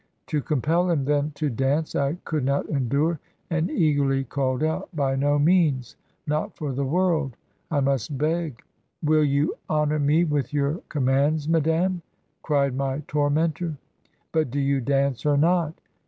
... To compel him then to dance I could not endure, and eagerly called out, ' By no means — not for the world! I must beg —' 'Will you honor me with your commands, madam?' cried my tormentor. ...' But do you dance or not?